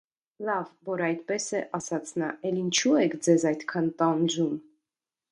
- Լավ, որ այդպես է,- ասաց նա,- էլ ինչո՞ւ եք ձեզ այդքան տանջում: